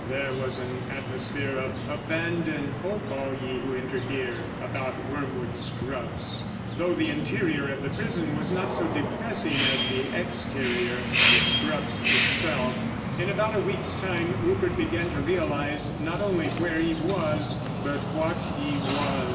There was an atmosphere of "Abandon hope all ye who enter here," about Wormwood Scrubbs, though the interior of the prison was not so depressing as the exterior—the Scrubbs itself. In about a week's time Rupert began to realise, not only where he was, but what he was.